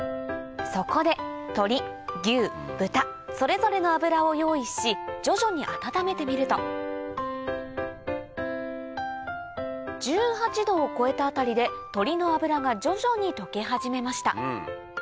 そこで鶏牛豚それぞれの脂を用意し徐々に１８℃を超えたあたりで鶏の脂が徐々に溶け始めました